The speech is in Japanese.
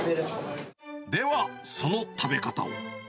では、その食べ方を。